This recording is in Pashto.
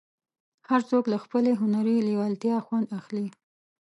هر څوک له خپلې هنري لېوالتیا خوند اخلي.